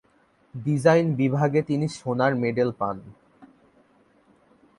ডিজাইনে বিভাগে তিনি সোনার মেডেল পান।